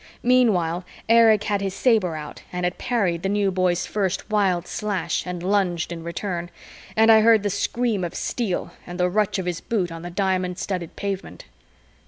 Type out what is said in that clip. Meanwhile, Erich had his saber out and had parried the New Boy's first wild slash and lunged in return, and I heard the scream of steel and the rutch of his boot on the diamond studded pavement.